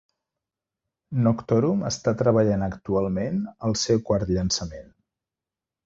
Noctorum està treballant actualment al seu quart llançament.